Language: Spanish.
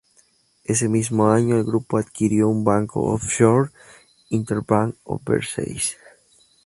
Ese mismo año, el grupo adquirió un banco "off-shore", Interbank Overseas.